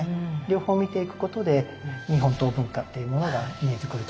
両方見ていくことで日本刀文化っていうものが見えてくると思います。